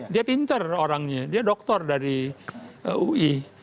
dia pintar orangnya dia dokter dari ui